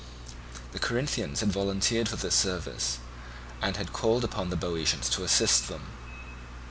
The Corinthians had volunteered for this service, and had called upon the Boeotians to assist them.